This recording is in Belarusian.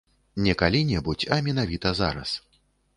Не калі-небудзь, але менавіта зараз.